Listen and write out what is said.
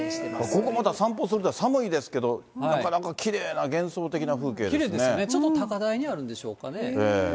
ここまで散歩するには寒いですけど、なかなかきれいな幻想的きれいですよね、ちょっと高台にあるんでしょうかね。